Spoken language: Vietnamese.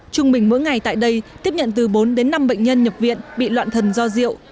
trung bình mỗi ngày tại đây tiếp nhận từ bốn đến năm bệnh nhân nhập viện bị loạn thần do rượu